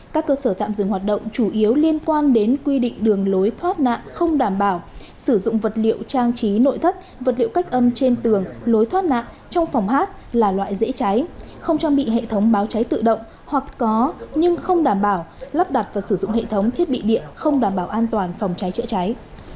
các cơ sở tạm dừng hoạt động chủ yếu liên quan đến quy định đường lối thoát nạn không đảm bảo sử dụng vật liệu trang trí nội thất vật liệu cách âm trên tường lối thoát nạn trong phòng hát là loại dễ cháy không trang bị hệ thống báo cháy tự động hoặc có nhưng không đảm bảo lắp đặt và sử dụng hệ thống thiết bị điện không đảm bảo an toàn phòng cháy chữa cháy